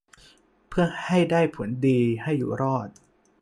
เพื่อให้ได้ผลดีให้อยู่รอด